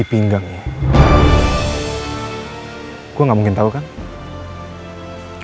kalo misalnya gue gak ngeliat dengan mata kepala gue sendiri